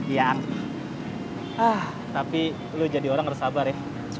ya tapi lo jadi orang harus sabar ya